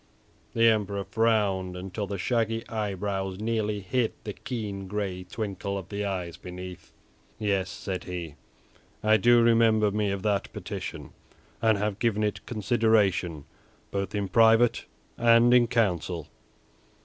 The Emperor frowned until the shaggy eyebrows nearly hid the keen gray twinkle of the eyes beneath. "Yes," said he, "I do remember me of that petition, and have given it consideration both in private and in council."